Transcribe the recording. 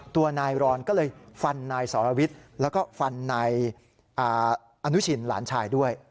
ตัวนายรอนก็เลยฟันนายสรวิทย์แล้วก็ฟันนายอนุชินหลานชายด้วย